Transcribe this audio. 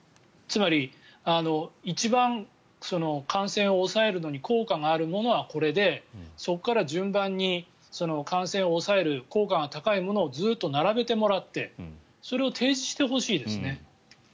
つまり、一番感染を抑えるのに効果があるものはこれでそこから順番に感染を抑える効果が高いものをずっと並べてもらってそれを提示してほしいですね。